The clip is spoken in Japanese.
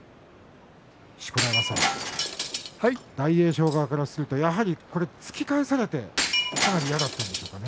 錣山さん大栄翔側からするとやはり突き返されてかなり嫌だったんでしょうか。